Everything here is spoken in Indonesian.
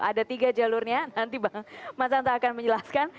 ada tiga jalurnya nanti bang mas anta akan menjelaskan